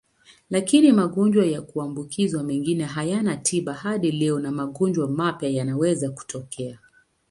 Lakini magonjwa ya kuambukizwa mengine hayana tiba hadi leo na magonjwa mapya yanaweza kutokea.